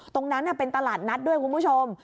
ตรงนั้นเป็นตลาดนัดด้วยคุณผู้ชม